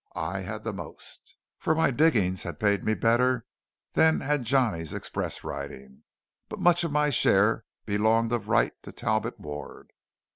I had the most, for my digging had paid me better than had Johnny's express riding. But much of my share belonged of right to Talbot Ward.